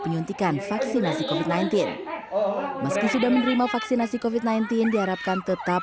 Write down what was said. penyuntikan vaksinasi covid sembilan belas meski sudah menerima vaksinasi covid sembilan belas diharapkan tetap